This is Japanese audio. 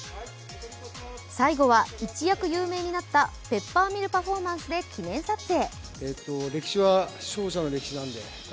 最後は一躍有名になったペッパーミルパフォーマンスで記念撮影。